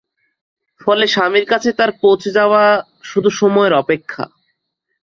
ফলে স্বামীর কাছে তার পৌঁছে যাওয়া শুধু সময়ের অপেক্ষা।